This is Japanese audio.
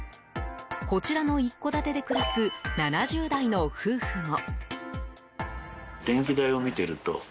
こちらの一戸建てで暮らす７０代の夫婦も。